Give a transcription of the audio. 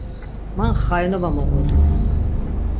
Man xainoba moğodu.